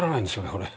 これ。